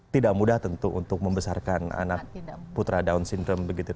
tidak mudah tentu untuk membesarkan anak putra down syndrome